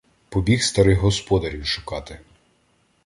Побіг старих господарів шукати.